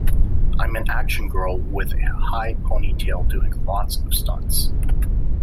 I'm an action girl with a high pony-tail doing lots of stunts.